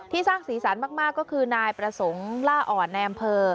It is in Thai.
ที่สร้างศีรษรมากก็คือนายประสงค์ล่าอ่อนแอมเภอ